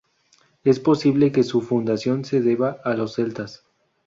Es posible que su fundación se deba a los celtas.